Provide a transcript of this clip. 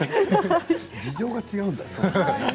事情が違うんだな。